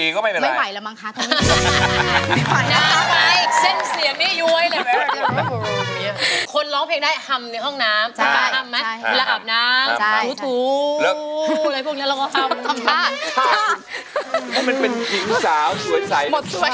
คือในห้องน้ำเนี่ย